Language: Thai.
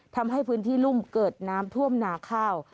ทำให้พื้นที่รุ่มเกิดน้ำท่วมหนาข้าว